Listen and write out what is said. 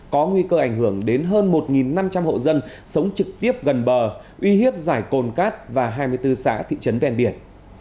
có nguy cơ ảnh hưởng đến hơn một năm trăm linh hộ dân sống trực tiếp gần bờ uy hiếp giải cồn cát và hai mươi bốn xã thị trấn ven biển